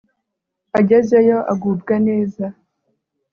agezeyo agubwa neza